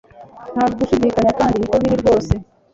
Nta gushidikanya kandi niko biri rwose